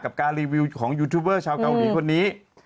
การรีวิวของยูทูบเบอร์ชาวเกาหลีคนนี้